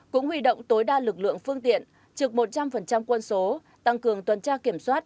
cũng huy động tối đa lực lượng phương tiện trực một trăm linh quân số tăng cường tuần tra kiểm soát